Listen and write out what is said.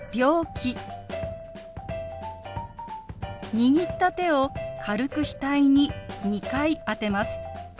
握った手を軽く額に２回当てます。